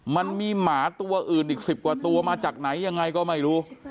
มันมีหมาตัวอื่นอีก๑๐กว่าตัวมาจากไหนยังไงก็ไม่รู้